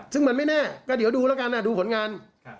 ซึ่งมันไม่แน่ก็เดี๋ยวดูแล้วกันดูผลงาน